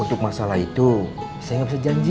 untuk masalah itu saya nggak bisa janji